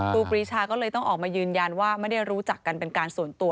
ครูปรีชาก็เลยต้องออกมายืนยันว่าไม่ได้รู้จักกันเป็นการส่วนตัว